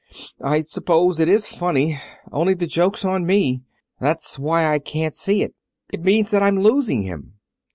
"I suppose it is funny. Only, the joke's on me. That's why I can't see it. It means that I'm losing him."